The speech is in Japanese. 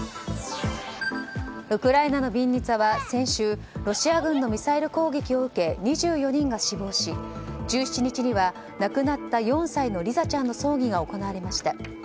ウクライナのビンニツァは先週、ロシア軍のミサイル攻撃を受け２４人が死亡し、１７日には亡くなった４歳のリザちゃんの葬儀が行われました。